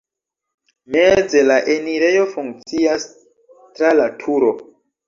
Meze la enirejo funkcias (tra la turo).